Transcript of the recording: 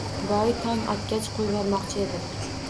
Boy tong otgach qo‘yvormoqchi edi-